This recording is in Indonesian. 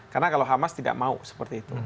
karena kalau hamas tidak mau seperti itu